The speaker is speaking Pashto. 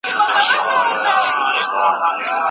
په لاهور کي بیا ټومبلی بیرغ غواړم